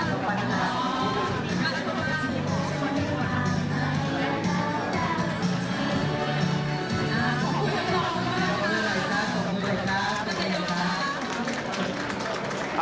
ขอบคุณค่ะพระเจ้าค่ะ